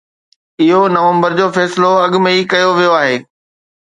اهو نومبر جو فيصلو اڳ ۾ ئي ڪيو ويو آهي.